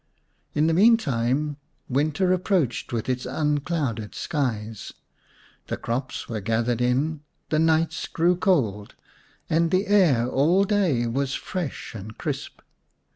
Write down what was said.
In the meantime winter approached with its unclouded skies. The crops were gathered in ; the nights grew cold, and the air all day was fresh and crisp.